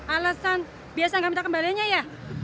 alasan biasa gak minta kembaliannya ya